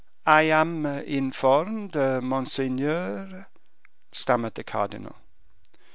"I am informed, monseigneur, " stammered the cardinal.